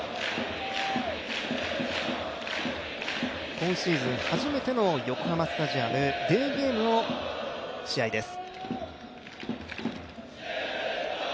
今シーズン初めての横浜スタジアム、デーゲームの試合です。